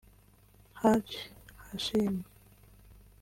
Hadji Hashim